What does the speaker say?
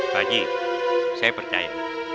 pak ji saya percaya